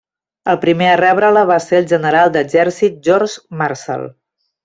El primer a rebre-la va ser el General d'Exèrcit George Marshall.